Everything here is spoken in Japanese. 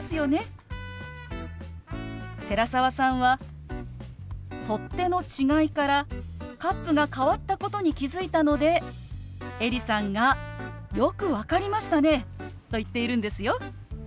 寺澤さんは取っ手の違いからカップが変わったことに気付いたのでエリさんが「よく分かりましたね！」と言っているんですよ。